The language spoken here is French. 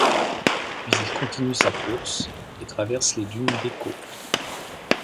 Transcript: Puis il continue sa course et traverse les Dunes d'Écault.